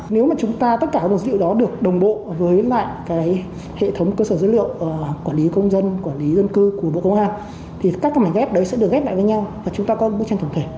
nếu mà chúng ta tất cả các vật liệu đó được đồng bộ với lại cái hệ thống cơ sở dữ liệu quản lý công dân quản lý dân cư của bộ công an thì các cái mảnh ghép đấy sẽ được ghép lại với nhau và chúng ta có một bức tranh tổng thể